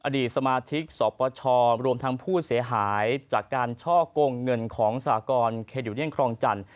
อดีตสมาชิกสปชรวมทั้งผู้เสียหายจากการช่อกงเงินของสากรเคดิวเนียนครองจันทร์